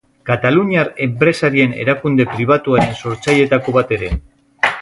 Kataluniar enpresarien erakunde pribatuaren sortzaileetako bat ere.